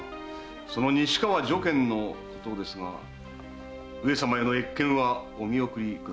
その西川如見のことですが上様への謁見はお見送りくださいませ。